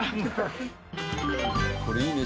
これいいね。